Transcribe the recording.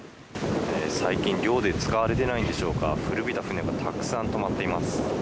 最近、漁で使われてないんでしょうか、古びた船がたくさん止まっています。